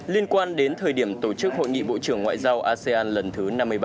liên quan đến thời điểm tổ chức hội nghị bộ trưởng ngoại giao asean lần thứ năm mươi bảy